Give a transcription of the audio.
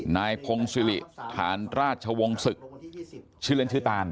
นายพงศิริฐานราชวงศ์ศึกชื่อเล่นชื่อตาน